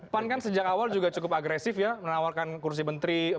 pan kan sejak awal juga cukup agresif ya menawarkan kursi menteri